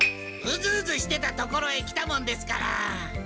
ウズウズしてたところへ来たもんですから。